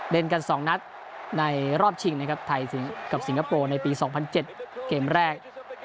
เล่นกัน๒นัดในรอบชิงนะครับไทยกับสิงคโปร์ในปี๒๐๐๗เกมแรก